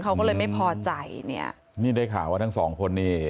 เขาก็เลยไม่พอใจเนี่ยนี่ได้ข่าวว่าทั้งสองคนนี่